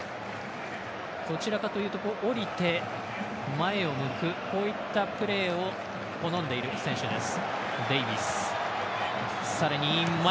どちらかというと下りて、前を向くこういったプレーを好んでいる選手です。